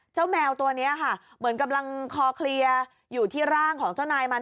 แมวตัวนี้ค่ะเหมือนกำลังคอเคลียร์อยู่ที่ร่างของเจ้านายมัน